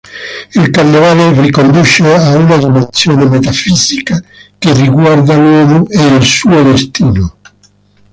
Il Carnevale riconduce a una dimensione metafisica che riguarda l'uomo e il suo destino.